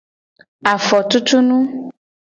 Afotutunu.